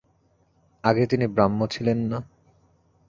আগে তিনি ব্রাহ্ম ছিলেন না?